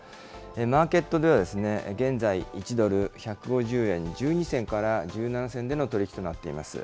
マーケットでは、現在１ドル１５０円１２銭から１７銭での取り引きとなっています。